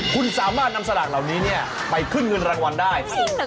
คุณสามารถนำสลากเหล่านี้ไปขึ้นเงินรางวัลได้